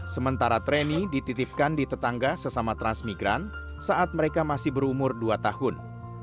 sementara treni dititipkan di tetangga sesama transmigran saat mereka masih berumur dua tahun